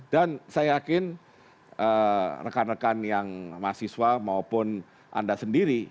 dan saya yakin rekan rekan yang mahasiswa maupun anda sendiri